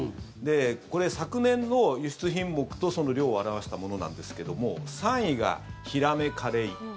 これ、昨年の輸出品目とその量を表したものなんですけど３位がヒラメ・カレイ。